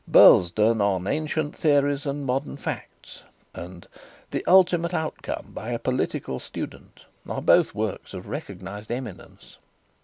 Burlesdon on Ancient Theories and Modern Facts and The Ultimate Outcome, by a Political Student, are both works of recognized eminence.